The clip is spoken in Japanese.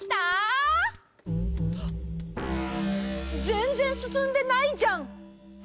ぜんぜんすすんでないじゃん！